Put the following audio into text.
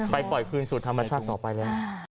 ปล่อยคืนสู่ธรรมชาติต่อไปแล้ว